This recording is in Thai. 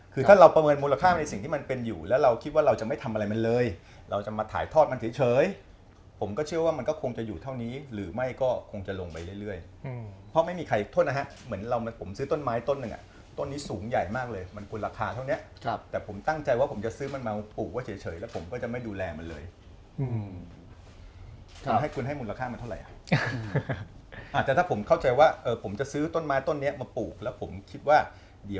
คือถ้าเราประเมินมูลค่าในสิ่งที่มันเป็นอยู่แล้วเราคิดว่าเราจะไม่ทำอะไรมันเลยเราจะมาถ่ายทอดมันเฉยผมก็เชื่อว่ามันก็คงจะอยู่เท่านี้หรือไม่ก็คงจะลงไปเรื่อยเพราะไม่มีใครทดนะฮะเหมือนเรามันผมซื้อต้นไม้ต้นหนึ่งอ่ะต้นนี้สูงใหญ่มากเลยมันคุณราคาเท่านี้ครับแต่ผมตั้งใจว่าผมจะซื้อมันมาปลูกว่าเฉยแล